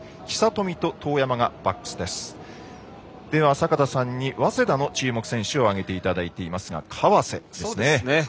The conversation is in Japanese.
坂田さんに早稲田の注目選手を挙げていただいていますが河瀬ですね。